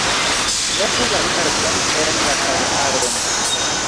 Metu la karton en la kartaron